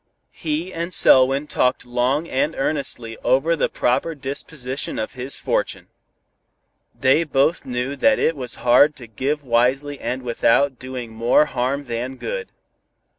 He and Selwyn talked long and earnestly over the proper disposition of his fortune. They both knew that it was hard to give wisely and without doing more harm than good.